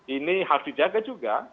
ini harus dijaga juga